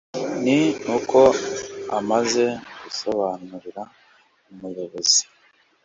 ni uko amaze gusobanurira umuyobozi